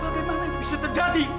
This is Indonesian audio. bagaimana ini bisa terjadi